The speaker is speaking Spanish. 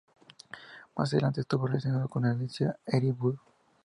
Más adelante estuvo relacionado con Alicia Uriburu.